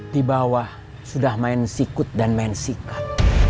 di bawah sudah main sikut dan main sikat